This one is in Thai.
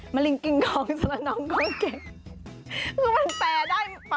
มารินกุินโข้งสลนะคะ